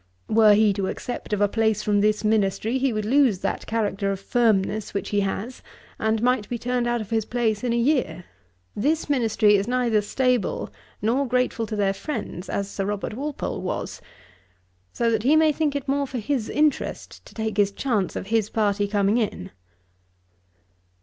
Were he to accept of a place from this ministry, he would lose that character of firmness which he has, and might be turned out of his place in a year. This ministry is neither stable, nor grateful to their friends, as Sir Robert Walpole was, so that he may think it more for his interest to take his chance of his party coming in.'